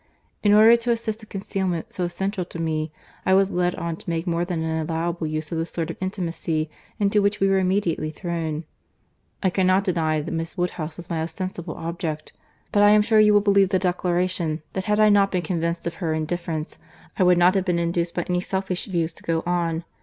—In order to assist a concealment so essential to me, I was led on to make more than an allowable use of the sort of intimacy into which we were immediately thrown.—I cannot deny that Miss Woodhouse was my ostensible object—but I am sure you will believe the declaration, that had I not been convinced of her indifference, I would not have been induced by any selfish views to go on.